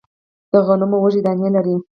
د غنمو وږی دانې لري